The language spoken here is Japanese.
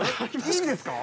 ◆いいんですか？